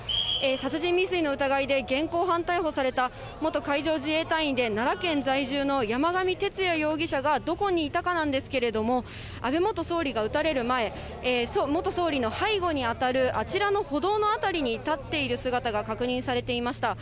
殺人未遂の疑いで現行犯逮捕された、元海上自衛隊員で、奈良県在住の山上徹也容疑者がどこにいたかなんですけれども、安倍元総理が撃たれる前、元総理の背後に当たるあちらの歩道の辺りに立っている姿が確認されていました。